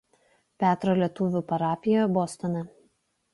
Petro lietuvių parapijoje Bostone.